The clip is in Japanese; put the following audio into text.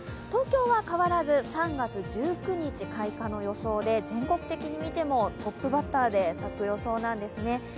東京は変わらず３月１９日開花の予想で全国的に見てもトップバッターで咲く予想なんですね。